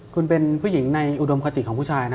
คุณเป็นผู้หญิงในอุดมคติของผู้ชายนะ